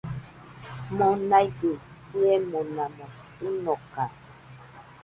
Monaigɨ fɨemonamo tɨnoka